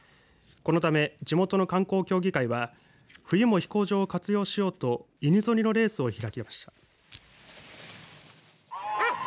このため地元の観光協議会は冬も飛行場を活用しようと犬ぞりのレースを開きました。